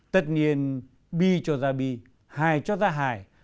tất nhiên bi cho ra bi hài cho ra hài